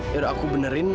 yaudah aku benerin